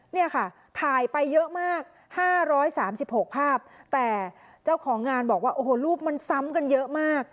เนี่ยค่ะถ่ายไปเยอะมาก๕๓๖ภาพแต่เจ้าของงานบอกว่าโอ้โหรูปมันซ้ำกันเยอะมาก